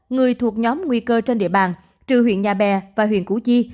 người thuộc nhóm nguy cơ trên địa bàn trừ huyện nhà bè và huyện củ chi